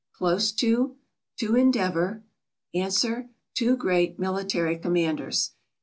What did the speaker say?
Close to. To endeavor. Answer two great military commanders.